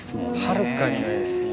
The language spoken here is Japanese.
はるかに上ですね